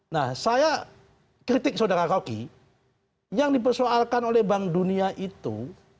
nah saya kritik saudara rocky yang dipersoalkan oleh bank dunia itu